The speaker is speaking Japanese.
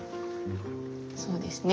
そうですね